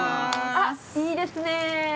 あっいいですね。